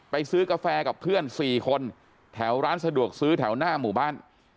ซื้อกาแฟกับเพื่อน๔คนแถวร้านสะดวกซื้อแถวหน้าหมู่บ้าน